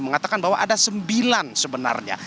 mengatakan bahwa ada sembilan sebenarnya